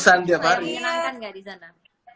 ada pengalaman yang bisa dienangkan gak di sana